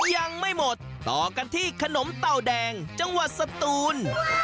ยังไม่หมดต่อกันที่ขนมเต่าแดงจังหวัดสตูน